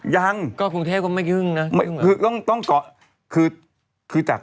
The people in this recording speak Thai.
ยังก็กรุงเทพฯก็ไม่ครึ่งนะคือต้องต้องเกาะคือคือจาก